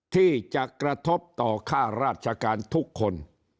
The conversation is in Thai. ที่จะกระทบต่อค่าราชการทุกคน